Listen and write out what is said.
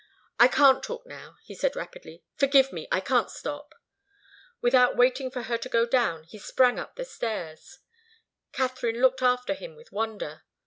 "I can't talk now," he said, rapidly. "Forgive me I can't stop!" Without waiting for her to go down, he sprang up the stairs. Katharine looked after him with wonder.